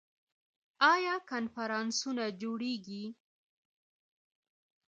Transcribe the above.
آیا کنفرانسونه جوړیږي؟